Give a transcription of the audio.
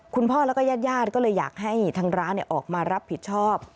คุณพ่อแล้วก็ญาติก็เลยอยากให้ทางร้านออกมารับผิดชอบ